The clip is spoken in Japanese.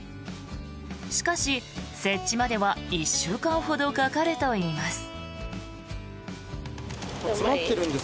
しかし、設置までは１週間ほどかかるといいます。